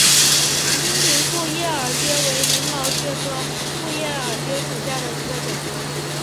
金平复叶耳蕨为鳞毛蕨科复叶耳蕨属下的一个种。